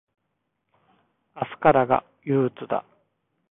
明日からが憂鬱だ。